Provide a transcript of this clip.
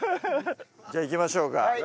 じゃあいきましょうか。